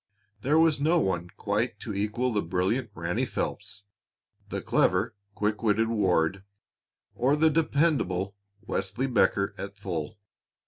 There was no one quite to equal the brilliant Ranny Phelps, the clever quick witted Ward, or the dependable Wesley Becker at full.